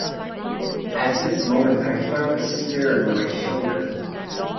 At this moment I felt a stir at my shoulder.